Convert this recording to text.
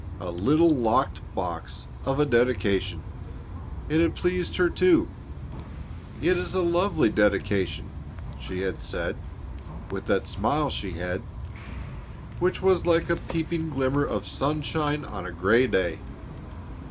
A little, locked box of a dedication. It had pleased her, too. "It is a lovely dedication," she had said with that smile she had, which was like a peeping glimmer of sunshine on a grey day.